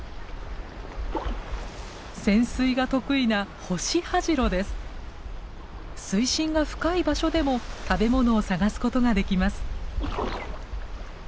潜水が得意な水深が深い場所でも食べ物を探すことができます。